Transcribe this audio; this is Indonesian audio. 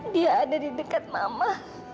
dia ada di dekat mama